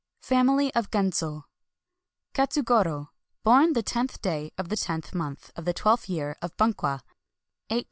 ] \_Family of Genzo.^ Katsugoro. — Born the 10th day of tlie 10th month of the twelfth year of Bunkwa .